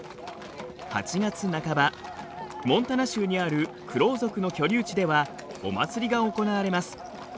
８月半ばモンタナ州にあるクロウ族の居留地ではお祭りが行われます。